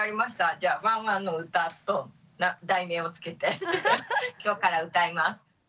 じゃあ「わんわんの歌」と題名をつけて今日から歌います。